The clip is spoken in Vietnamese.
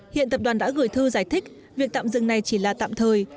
hiện tập đoàn đã gửi thư giải thích việc tạm dừng này chỉ là tạm thời